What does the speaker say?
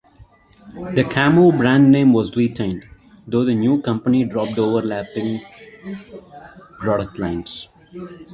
The Kamov brand name was retained, though the new company dropped overlapping product lines.